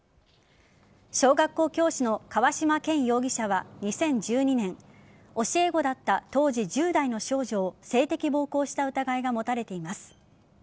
小学校教師の河嶌健容疑者は２０１２年教え子だった当時１０代の少女を性的暴行した疑いが持たれています。